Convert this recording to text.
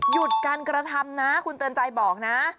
หยุดการกระทำนะคุณเตือนใจบอกนะ